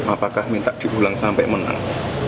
apakah minta diulang sampai menang